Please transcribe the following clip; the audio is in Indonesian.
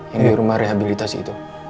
yang di rumah rehabilitasi itu